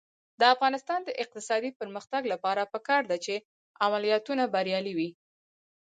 د افغانستان د اقتصادي پرمختګ لپاره پکار ده چې عملیاتونه بریالي وي.